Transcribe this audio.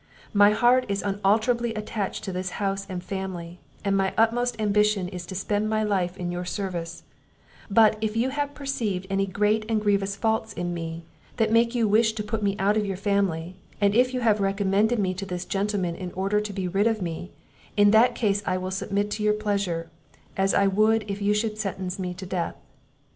My heart is unalterably attached to this house and family, and my utmost ambition is to spend my life in your service; but if you have perceived any great and grievous faults in me, that make you wish to put me out of your family, and if you have recommended me to this gentleman in order to be rid of me, in that case I will submit to your pleasure, as I would if you should sentence me to death."